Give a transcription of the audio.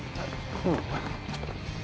うん。